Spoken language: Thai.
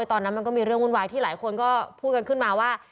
ตอนนั้นมันก็มีเรื่องวุ่นวายที่หลายคนก็พูดกันขึ้นมาว่า